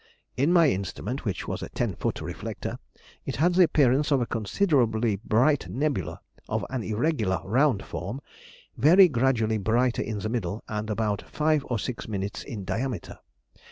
In my instrument, which was a ten foot reflector, it had the appearance of a considerably bright nebula, of an irregular round form, very gradually brighter in the middle, and about five or six minutes in diameter.